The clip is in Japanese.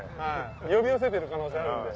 呼び寄せてる可能性あるんで。